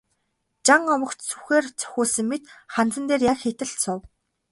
Жан овогт сүхээр цохиулсан мэт ханзан дээр яг хийтэл суув.